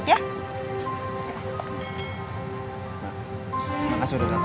terima kasih udah datang ben